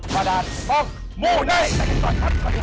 พระดาษมองหมู่ไหน